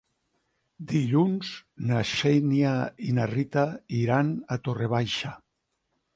Dilluns na Xènia i na Rita iran a Torre Baixa.